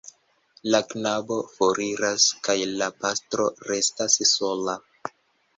La knabo foriras kaj la pastro restas sola.